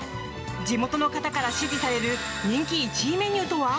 地元の方から支持される人気１位メニューとは？